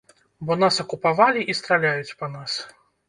Бо нас акупавалі і страляюць па нас!